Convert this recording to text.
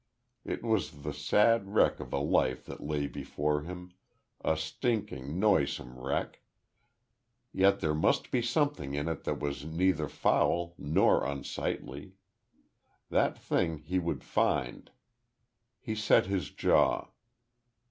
It was the sad wreck of a life that lay before him a stinking, noisome wreck yet there must be something in it that was neither foul nor unsightly. That thing he would find. He set his jaw.